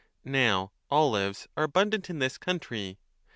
Now olives are abundant 20 in this country.